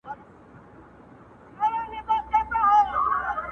جهاني ډېر به دي غزل په تول د بوسو اخلي!!